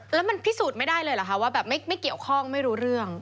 แล้วมันพิสูจน์ไม่ได้เลยเหรอคะว่าแบบไม่เกี่ยวข้องไม่รู้เรื่อง